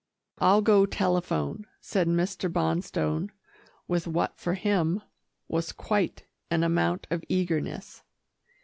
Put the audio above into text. "I'll go telephone," said Mr. Bonstone, with what for him, was quite an amount of eagerness.